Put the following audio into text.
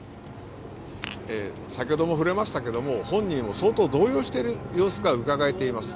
先ほども触れましたけど本人は相当動揺している様子がうかがえています。